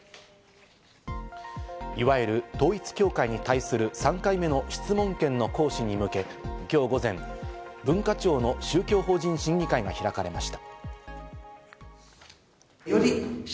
いわゆる統一教会に対する３回目の質問権の行使に向け今日午前、文化庁の宗教法人審議会が開かれました。